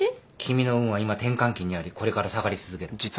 君の運は今転換期にありこれから下がり続ける。